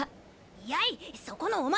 やいそこのお前！